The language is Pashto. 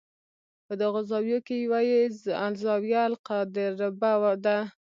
په دغو زاویو کې یوه یې الزاویة القادربه ده.